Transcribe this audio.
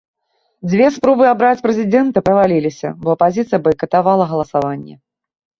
Дзве спробы абраць прэзідэнта праваліліся, бо апазіцыя байкатавала галасаванне.